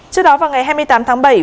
trước đó vào ngày hai mươi tám tháng bảy